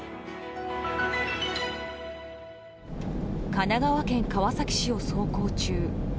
神奈川県川崎市を走行中。